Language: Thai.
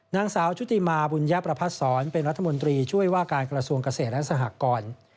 นางสาวชุติมาบุญญประพัฒนศรเป็นรัฐมนตรีช่วยว่าการกระทรวงเกษตรและสหกร